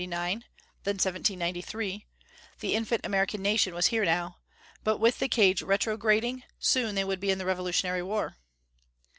Then 1793. The infant American nation was here now. But with the cage retrograding, soon they would be in the Revolutionary War.